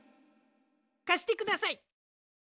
かしてください！